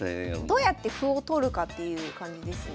どうやって歩を取るかっていう感じですね。